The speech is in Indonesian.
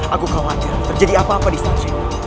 aku khawatir terjadi apa apa di istana sheikh guru